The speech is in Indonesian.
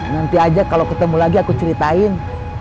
nanti aja kalau ketemu lagi aku ceritain